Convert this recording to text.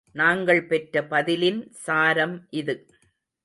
நாங்கள் பெற்ற பதிலின் சாரம் இது.